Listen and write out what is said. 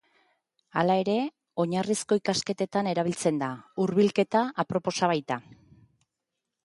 Hala ere, oinarrizko ikasketetan erabiltzen da, hurbilketa aproposa baita.